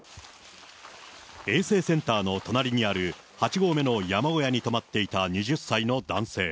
衛生センターの隣にある８合目の山小屋に泊まっていた２０歳の男性。